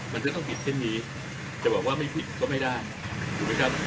มันจะต้องผิดเช่นนี้จะบอกว่าไม่ผิดก็ไม่ได้